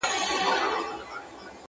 خو د غوجلې ځای لا هم چوپ او خالي دی،